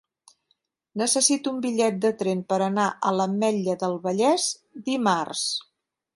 Necessito un bitllet de tren per anar a l'Ametlla del Vallès dimarts.